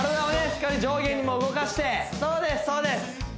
しっかり上下にも動かしてそうですそうです